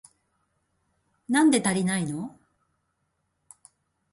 なんで足りないの？